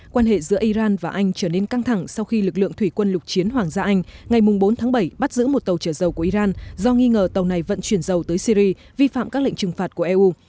quan hệ giữa iran và anh trở nên căng thẳng sau khi lực lượng thủy quân lục chiến hoàng gia anh ngày bốn tháng bảy bắt giữ một tàu trở dầu của iran do nghi ngờ tàu này vận chuyển dầu tới syri vi phạm các lệnh trừng phạt của eu